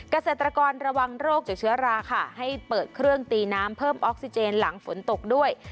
เกษตรกรระวังโรคจากเชื้อราค่ะให้เปิดเครื่องตีน้ำเพิ่มออกซิเจนหลังฝนตกด้วย